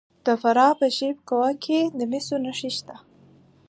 د فراه په شیب کوه کې د مسو نښې شته.